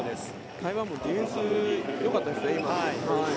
台湾もディフェンスよかったですね、今。